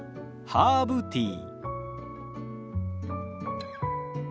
ハーブティー。